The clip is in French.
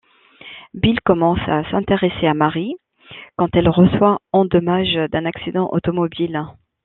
Bill commence à s'intéresser à Marie quand elle reçoit en dommages d'un accident d'automobile.